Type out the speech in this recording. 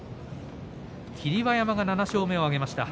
霧馬山が７勝目を挙げました。